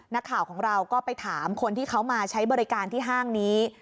นักข่าวของเราก็ไปถามคนที่เขามาใช้บริการที่ห้างนี้